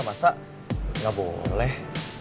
masa gak boleh